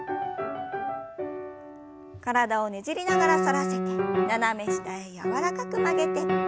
体をねじりながら反らせて斜め下へ柔らかく曲げて。